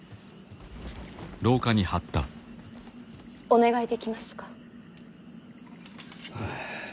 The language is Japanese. お願いできますか。